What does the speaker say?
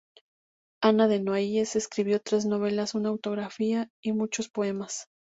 Anna de Noailles escribió tres novelas, una autobiografía y muchos poemas.